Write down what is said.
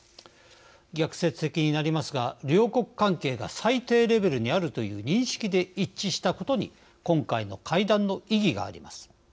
逆説的になりますが両国関係が最低レベルにあるという認識で一致したことに今回の会談の意義があります。